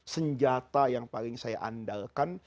senjata yang paling saya andalkan